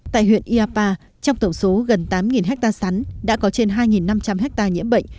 tại huyện iapa trong tổng số gần tám hectare sắn đã có trên hai năm trăm linh hectare nhiễm bệnh